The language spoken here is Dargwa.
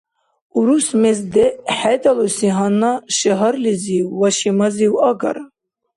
Урус мез хӀедалуси гьанна шагьарлизив ва шимазив агара.